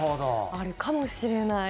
あるかもしれない。